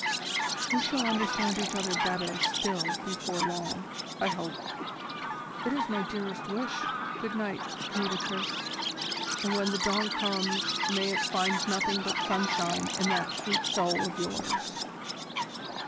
"We shall understand each other better still before long I hope." "It is my dearest wish. Good night, Nitocris, and when the dawn comes may it find nothing but sunshine in that sweet soul of yours!"